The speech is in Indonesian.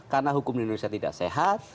karena hukum di indonesia tidak sehat